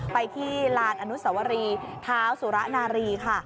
ไปที่ลานอนุสวรีเท้าสุระนารีค่ะ